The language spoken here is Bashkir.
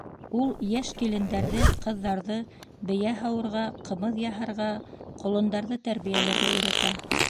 Ул йәш килендәрҙе, ҡыҙҙарҙы бейә һауырға, ҡымыҙ яһарға, ҡолондарҙы тәрбиәләргә өйрәтә.